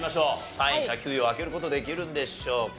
３位か９位を開ける事できるんでしょうか？